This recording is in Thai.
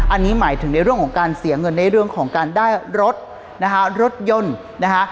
อันนี้หมายถึงในเรื่องของการเสียเงินในเรื่องของการได้รถนะคะรถยนต์นะคะ